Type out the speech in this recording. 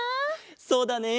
そうだね。